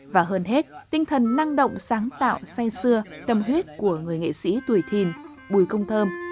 và hơn hết tinh thần năng động sáng tạo say xưa tâm huyết của người nghệ sĩ tuổi thìn bùi công thơm